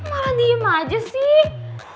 kok malah diem aja sih